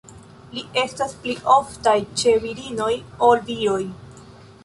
Ili estas pli oftaj ĉe virinoj ol viroj.